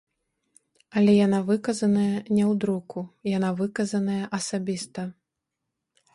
Але яна выказаная не ў друку, яна выказаная асабіста.